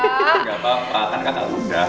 gak apa apa kan kakak muda